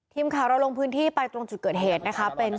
ทีมข่าวเราลงพื้นที่ไปตรงจุดเกิดเหตุนะคะ